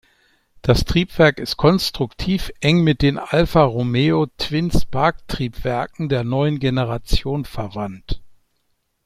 Das Triebwerk ist konstruktiv eng mit den Alfa Romeo Twin-Spark-Triebwerken der neuen Generation verwandt.